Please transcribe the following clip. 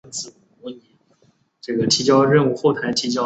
白马线